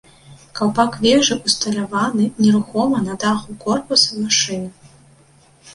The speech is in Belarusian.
Каўпак вежы ўсталяваны нерухома на даху корпуса машыны.